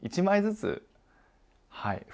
１枚ずつ？